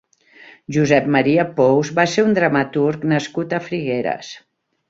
Josep Maria Pous va ser un dramaturg nascut a Figueres.